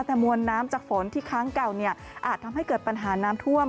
แต่มวลน้ำจากฝนที่ค้างเก่าอาจทำให้เกิดปัญหาน้ำท่วม